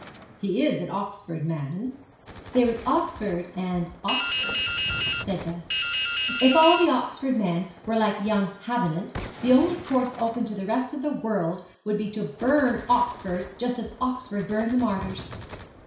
'He is an Oxford man.' 'There is Oxford and Oxford,' said Bess. 'If all the Oxford men were like young Havenant, the only course open to the rest of the world would be to burn Oxford, just as Oxford burned the martyrs.'